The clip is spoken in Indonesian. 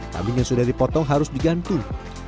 kambing yang sudah dipotong harus digantung